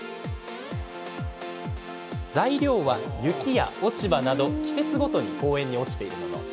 材料は、雪や落ち葉など季節ごとに公園に落ちているもの。